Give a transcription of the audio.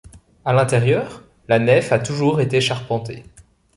À l'intérieur, la nef a toujours été charpentée.